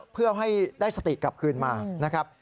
เพื่อให้ได้สติกลับคืนมานะครับ